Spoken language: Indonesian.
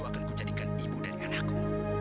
aku akan menjadikan ibu dari anakku